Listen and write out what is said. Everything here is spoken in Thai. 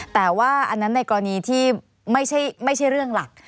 แต่ว่าอันนั้นในกรณีที่ไม่ใช่เรื่องหลัก